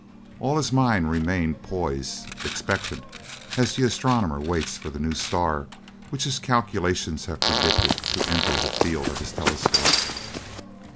All his mind remained poised, expectant, as the astronomer waits for the new star which his calculations have predicted to enter the field of his telescope.